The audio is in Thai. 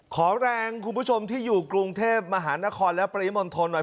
ขอแรงคุณผู้ชมที่อยู่กรุงเทพมหานครและปริมณฑลหน่อย